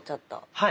はい。